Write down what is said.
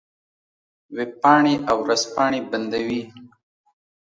وېبپاڼې او ورځپاڼې بندوي.